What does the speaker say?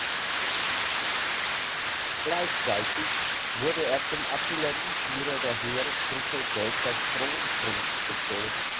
Gleichzeitig wurde er zum Artillerieführer der Heeresgruppe Deutscher Kronprinz bestellt.